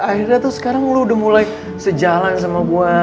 akhirnya tuh sekarang lo udah mulai sejalan sama gue